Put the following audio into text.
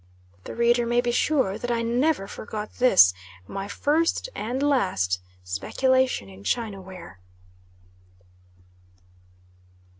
The reader may be sure that I never forgot this, my first and last speculation in china ware.